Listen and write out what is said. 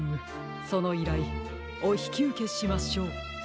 そのいらいおひきうけしましょう。